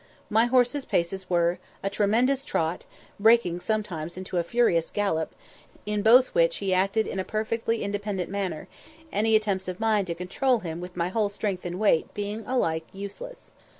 My horse's paces were, a tremendous trot, breaking sometimes into a furious gallop, in both which he acted in a perfectly independent manner, any attempts of mine to control him with my whole strength and weight being alike useless.